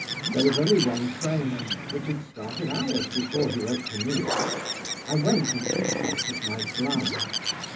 There was only one train, which had started hours before he wrote to me. I went and consulted my glass.